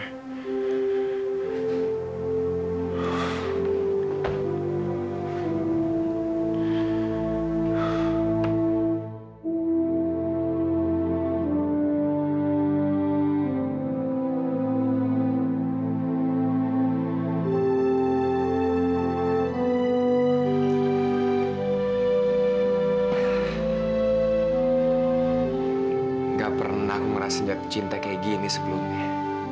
tidak pernah saya merasa mencintai seperti ini sebelumnya